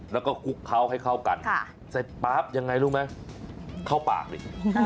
แล้วก็คลุกเคล้าให้เข้ากันเสร็จปั๊บยังไงรู้ไหมเข้าปากดิ